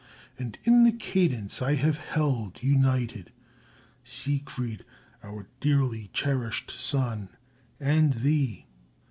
And in this cadence I have held, united, Siegfried, our dearly cherished son, and thee.